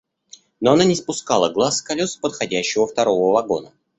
Но она не спускала глаз с колес подходящего второго вагона.